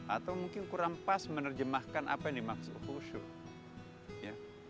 atau mungkin kurang pas menerjemahkan apa yang dimaksud khusyuk